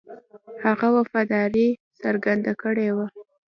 هغه وفاداري څرګنده کړې وه.